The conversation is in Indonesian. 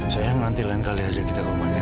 sayang nanti lain kali aja kita ke rumah ya